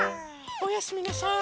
おやすみなさい。